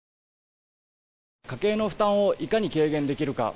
家計の負担をいかに軽減できるか。